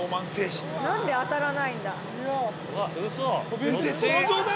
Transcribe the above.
◆何で当たらないんだ。